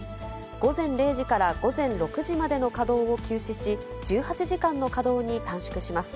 午前０時から午前６時までの稼働を休止し、１８時間の稼働に短縮します。